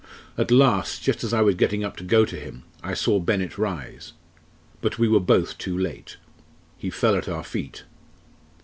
At last just as I was getting up to go to him, I saw Bennett rise. But we were both too late. He fell at our feet!"